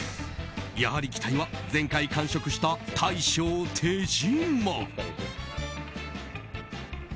やはり期待は前回完食した、大将・手島。